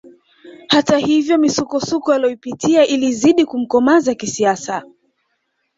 Hata hivyo misukosuko aliyoipitia ilizidi kumkomaza kisiasa